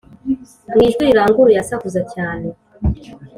mu ijwi riranguruye asakuza cyane.